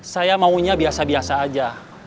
saya maunya biasa biasa aja